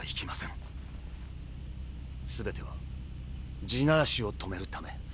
すべては「地鳴らし」を止めるため。